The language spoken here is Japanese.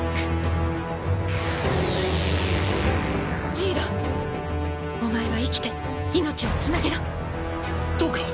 ジイロお前は生きて命をつなげろトオカ！